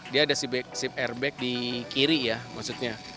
dia ada sip airbag di kiri ya maksudnya